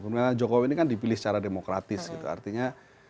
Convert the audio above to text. karena jokowi ini kan dipilih secara demokratis gitu artinya